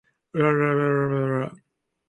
微細構造示意圖